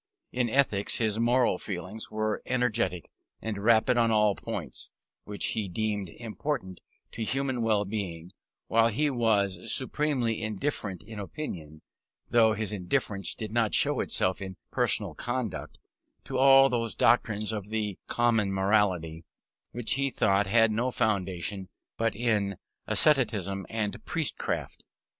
In ethics his moral feelings were energetic and rigid on all points which he deemed important to human well being, while he was supremely indifferent in opinion (though his indifference did not show itself in personal conduct) to all those doctrines of the common morality, which he thought had no foundation but in asceticism and priestcraft.